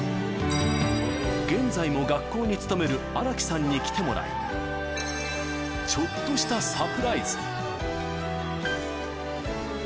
現在も学校に勤める荒木さんに来てもらい、ちょっとしたサプライズ。